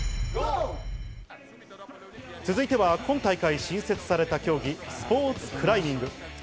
続いては今大会、新設された競技、スポーツクライミング。